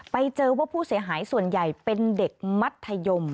ไปเจอว่าผู้เสียหายส่วนใหญ่เป็นเด็กมัธยม